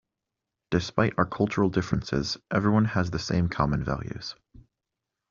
Despite our cultural differences everyone has the same common values.